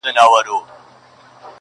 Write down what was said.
څنګه به بدنام په مینه څنګه به رسوا شول